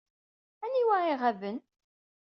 Aniwa iɣaben?